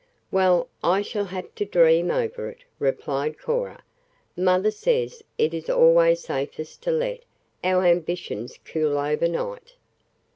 "Well, I shall have to dream over it," replied Cora. "Mother says it is always safest to let our ambitions cool overnight."